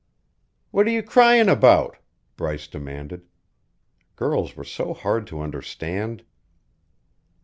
"What are you crying about?" Bryce demanded. Girls were so hard to understand.